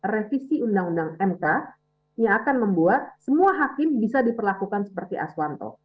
revisi undang undang mk yang akan membuat semua hakim bisa diperlakukan seperti aswanto